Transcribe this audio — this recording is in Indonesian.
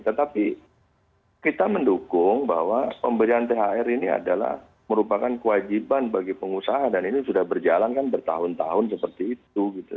tetapi kita mendukung bahwa pemberian thr ini adalah merupakan kewajiban bagi pengusaha dan ini sudah berjalan kan bertahun tahun seperti itu